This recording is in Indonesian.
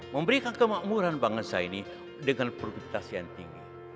memberikan kemakmuran bangsa ini dengan produktivitas yang tinggi